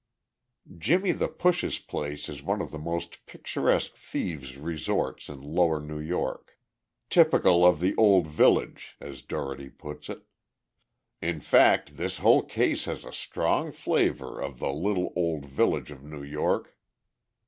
"Jimmie the Push's" place is one of the most picturesque thieves' resorts in lower New York. "Typical of the old village," as Dougherty puts it. "In fact, this whole case has a strong flavor of the little old village of New York."